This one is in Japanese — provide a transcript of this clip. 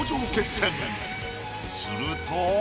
すると。